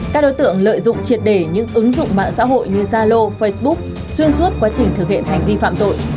các đối tượng lợi dụng triệt đề những ứng dụng mạng xã hội như zalo facebook xuyên suốt quá trình thực hiện hành vi phạm tội